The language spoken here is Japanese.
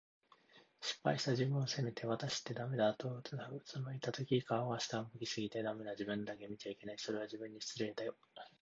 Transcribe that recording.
失敗した自分を責めて、「わたしってダメだ」と俯いたとき、顔が下を向き過ぎて、“ダメ”な自分だけ見ちゃいけない。それは、自分に失礼だよ。